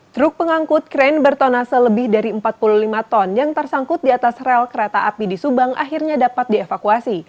truk pengangkut kren bertona selebih dari empat puluh lima ton yang tersangkut di atas rel kereta api di subang akhirnya dapat dievakuasi